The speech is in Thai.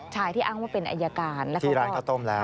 ที่อ้างว่าเป็นอายการที่ร้านข้าวต้มแล้ว